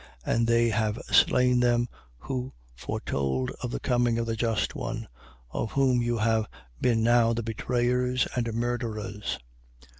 And they have slain them who foretold of the coming of the Just One: of whom you have been now the betrayers and murderers.